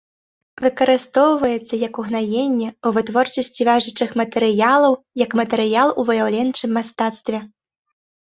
Выкарыстоўваецца як угнаенне, у вытворчасці вяжучых матэрыялаў, як матэрыял у выяўленчым мастацтве.